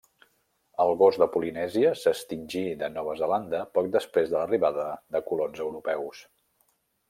El gos de Polinèsia s'extingí de Nova Zelanda poc després de l'arribada de colons europeus.